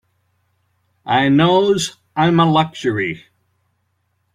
I knows I'm a luxury.